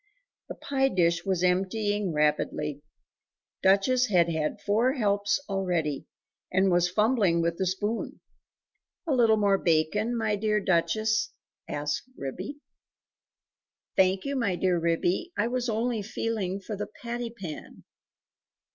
The pie dish was emptying rapidly! Duchess had had four helps already, and was fumbling with the spoon. "A little more bacon, my dear Duchess?" said Ribby. "Thank you, my dear Ribby; I was only feeling for the patty pan."